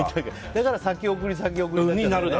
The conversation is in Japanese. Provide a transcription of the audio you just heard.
だから先送り、先送りになると。